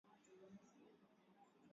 katika eneo la Sahel huko Afrika magharibi